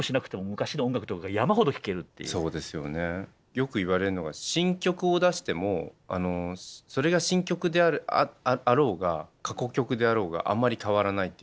よく言われるのが新曲を出してもそれが新曲であろうが過去曲であろうがあんまり変わらないっていうか。